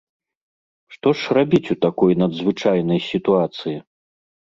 Што ж рабіць у такой надзвычайнай сітуацыі?